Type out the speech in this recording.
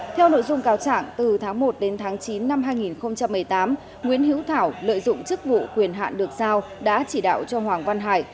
theo nội dung cao trạng từ tháng một đến tháng chín năm hai nghìn một mươi tám nguyễn hữu thảo lợi dụng chức vụ quyền hạn được giao đã chỉ đạo cho hoàng văn hải